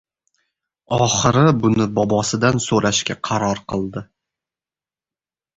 Oxiri buni bobosidan soʻrashga qaror qildi.